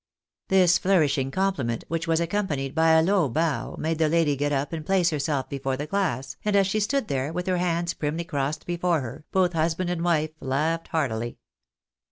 This flourishing compliment, which was accompanied by a low bow, made the lady get up and place herself before the glass, and as she stood there with her hands primly crossed before her, both husband and wife laughed heartily.